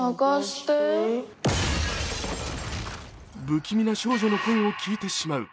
不気味な少女の声を聞いてしまう。